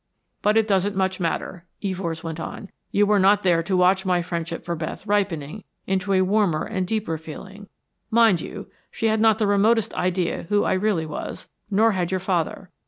"But it doesn't much matter," Evors went on. "You were not there to watch my friendship for Beth ripening into a warmer and deeper feeling. Mind you, she had not the remotest idea who I really was, nor had your father.